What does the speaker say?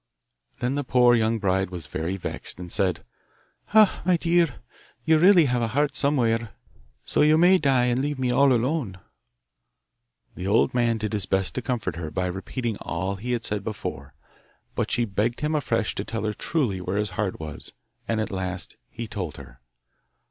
Then the poor young bride was very vexed, and said, 'Ah, my dear! you really have a heart somewhere, so you may die and leave me all alone.' The old man did his best to comfort her by repeating all he had said before, but she begged him afresh to tell her truly where his heart was and at last he told her.